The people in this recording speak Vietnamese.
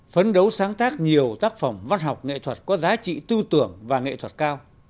phấn đấu sáng tác nhiều tác phẩm văn học nghệ thuật có giá trị tư tưởng và nghệ thuật cao